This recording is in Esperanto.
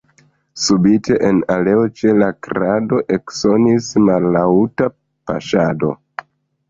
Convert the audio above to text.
Subite en aleo ĉe la krado eksonis mallaŭta paŝado.